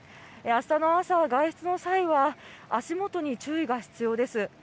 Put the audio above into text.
あしたの朝は外出の際は足元に注意が必要です。